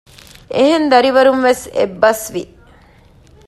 އެހެން ދަރިވަރުން ވެސް އެއްބަސްވި